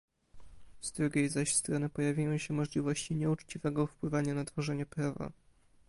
Z drugiej zaś strony pojawiają się możliwości nieuczciwego wpływania na tworzenie prawa